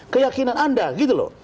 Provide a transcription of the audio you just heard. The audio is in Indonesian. keyakinan anda gitu loh